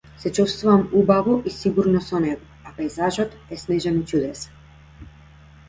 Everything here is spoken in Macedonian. Се чувствувам убаво и сигурно со него, а пејзажот е снежен и чудесен.